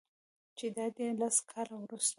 چې دادی لس کاله وروسته